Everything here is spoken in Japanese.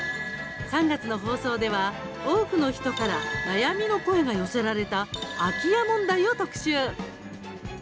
３月の放送では、多くの人から悩みの声が寄せられた空き家問題を特集。